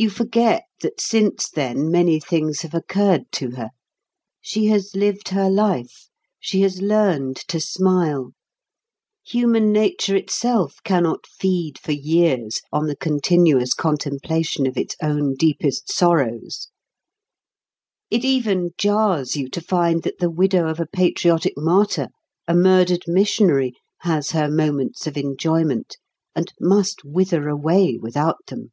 You forget that since then many things have occurred to her. She has lived her life; she has learned to smile; human nature itself cannot feed for years on the continuous contemplation of its own deepest sorrows. It even jars you to find that the widow of a patriotic martyr, a murdered missionary, has her moments of enjoyment, and must wither away without them.